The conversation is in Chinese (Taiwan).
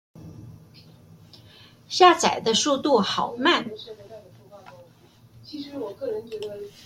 下載的速度好慢